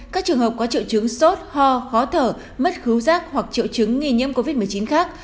các trường học có triệu chứng sốt ho khó thở mất khứu rác hoặc triệu chứng nghi nhiễm covid một mươi chín khác